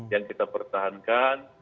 yang kita pertahankan